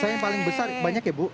saya yang paling besar banyak ya bu